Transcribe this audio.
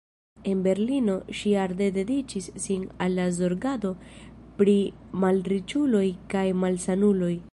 En Berlino ŝi arde dediĉis sin al la zorgado pri malriĉuloj kaj malsanuloj.